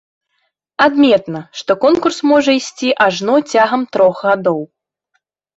Адметна, што конкурс можа ісці ажно цягам трох гадоў.